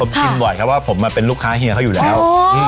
ผมกินบ่อยครับว่าผมเป็นลูกค้าเฮียเขาอยู่แล้ว